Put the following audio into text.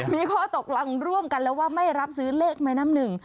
มีข้อตกลงร่วมกันแล้วว่าไม่รับซื้อเลขแม่น้ำหนึ่ง